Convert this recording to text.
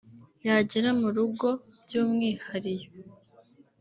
yagera mu rugo by’umwihario